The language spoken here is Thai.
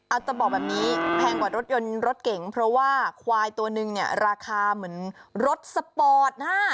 เอาจะบอกแบบนี้แพงกว่ารถยนต์รถเก๋งเพราะว่าควายตัวนึงเนี่ยราคาเหมือนรถสปอร์ตนะ